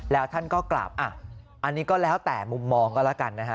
แล้วท่านก็กลับอ่ะอันนี้ก็แล้วแต่มุมมองก็แล้วกันนะฮะ